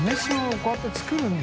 こうやって作るんだ。